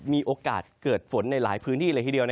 มีโอกาสเกิดฝนในหลายพื้นที่เลยทีเดียว